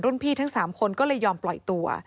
พี่ทั้ง๓คนก็เลยยอมปล่อยตัว